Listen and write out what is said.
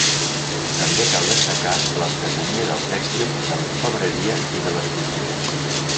També cal destacar l'artesania del tèxtil, de l'orfebreria i de l'escultura.